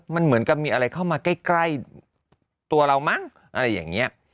มันเหมือนกับมีอะไรเข้ามาใกล้ตัวเรามั้งอะไรอย่างนี้